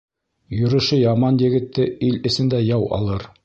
Йөрөшө яман егетте ил эсендә яу алыр.